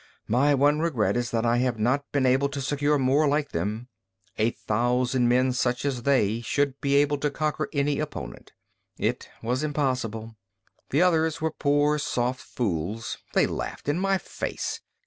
My one regret is that I have not been able to secure more like them. A thousand men such as they should be able to conquer any opponent. It was impossible. The others were poor soft fools. They laughed in my face.